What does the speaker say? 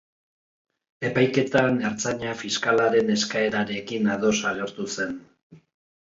Epaiketan, ertzaina fiskalaren eskaerarekin ados agertu zen.